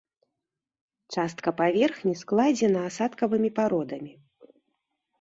Частка паверхні складзена асадкавымі пародамі.